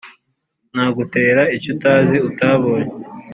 nagutera icyo utazi utabonye